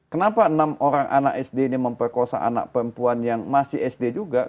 kenapa enam orang anak sd ini memperkosa anak perempuan yang masih sd juga